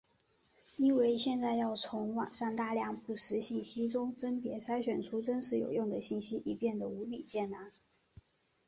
因为现在要从网上大量不实信息中甄别筛选出真实有用的信息已变的无比艰难。